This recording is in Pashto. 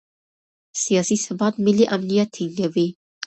سیاسي ثبات ملي امنیت ټینګوي